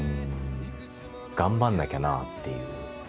頑張んなきゃなっていう。